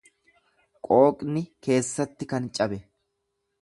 qooqni keessatti kan cabe.